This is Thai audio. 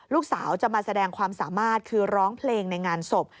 ลูกสาวจะมาแสดงความสามารถคือร้องเพลงในงานศพ